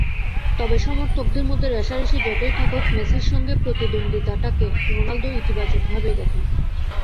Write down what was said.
তবে সমর্থকদের মধ্যে রেষারেষি যতই থাকুক, মেসির সঙ্গে প্রতিদ্বন্দ্বিতাটাকে রোনালদো ইতিবাচকভাবেই দেখেন।